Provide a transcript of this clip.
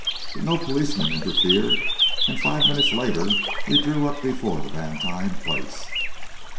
But no policeman interfered, and five minutes later we drew up before the Vantine place.